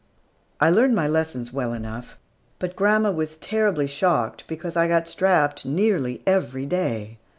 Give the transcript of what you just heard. I learned my lessons well enough, but grandma was terribly shocked because I got strapped nearly every day.